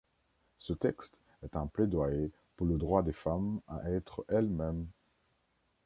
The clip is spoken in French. Ce texte est un plaidoyer pour le droit des femmes à être elles-mêmes.